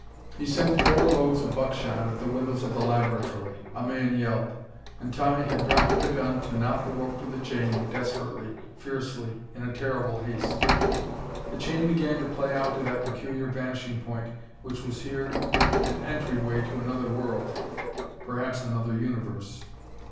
He sent four loads of buckshot at the windows of the laboratory. A man yelled. And Tommy had dropped the gun to knot the rope to the chain, desperately, fiercely, in a terrible haste. The chain began to pay out to that peculiar vanishing point which was here an entry way to another world perhaps another universe.